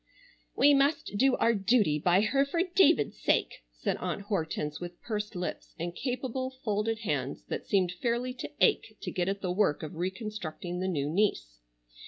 "We must do our duty by her for David's sake," said Aunt Hortense, with pursed lips and capable, folded hands that seemed fairly to ache to get at the work of reconstructing the new niece.